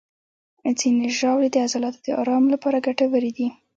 ځینې ژاولې د عضلاتو د آرام لپاره ګټورې دي.